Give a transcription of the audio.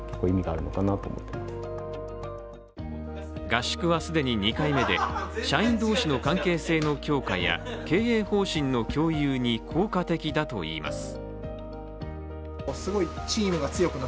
合宿は既に２回目や社員同士の関係性の強化や経営方針の共有に効果的だといいます。